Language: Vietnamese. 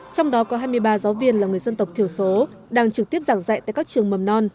trong đó có hai mươi ba giáo viên là người dân tộc thiểu số đang trực tiếp giảng dạy tại các trường mầm non